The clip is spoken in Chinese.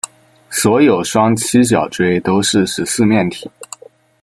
所有双七角锥都是十四面体。